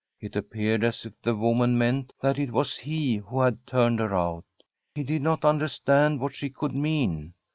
It appeared as if the woman meant that it was he who had turned her out. He did not understand what she could mean.